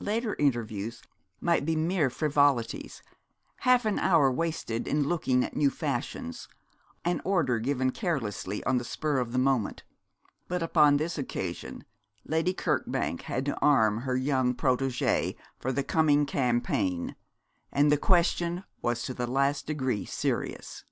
Later interviews might be mere frivolities, half an hour wasted in looking at new fashions, an order given carelessly on the spur of the moment; but upon this occasion Lady Kirkbank had to arm her young protégée for the coming campaign, and the question was to the last degree serious.